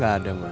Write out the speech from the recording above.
gak ada mah